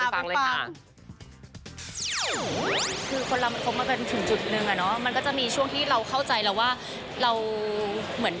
รอเวอร์ไม่เชื่อ